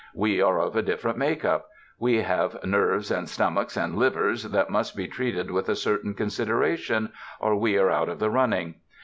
We are of a different makeup. We have nerves and stomachs and livers that must be treated with a certain consideration, or we are out of the running.